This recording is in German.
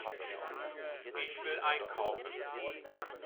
Ich will einkaufen.